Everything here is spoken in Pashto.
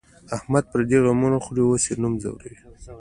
احمد پردي غمونه خوري، اوس یې نوم ځوری دی.